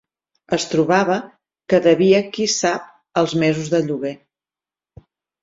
Es trobava que devia qui sap els mesos de lloguer.